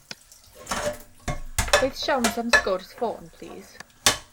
Oes siawns am sgwrs ffôn plîs?